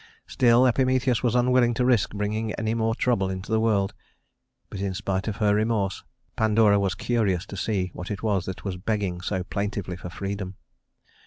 Still Epimetheus was unwilling to risk bringing any more trouble into the world; but in spite of her remorse, Pandora was curious to see what it was that was begging so plaintively for freedom.